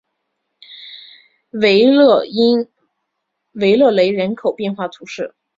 维勒雷人口变化图示